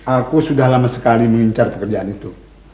aku sudah lama sekali mengincar pekerjaan itu